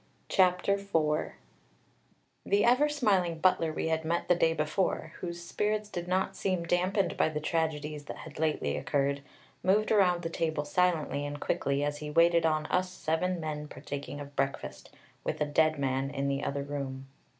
CHAPTER IV The ever smiling butler we had met the day before, whose spirits did not seem dampened by the tragedies that had lately occurred, moved around the table silently and quickly as he waited on us seven men partaking of breakfast, with a dead man in the other room.